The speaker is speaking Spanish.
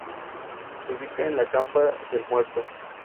En esos años tuvo lugar una gran movilización social.